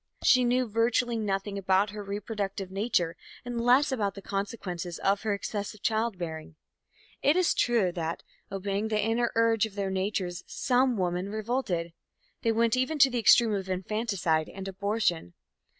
She knew virtually nothing about her reproductive nature and less about the consequences of her excessive child bearing. It is true that, obeying the inner urge of their natures, some women revolted. They went even to the extreme of infanticide and abortion.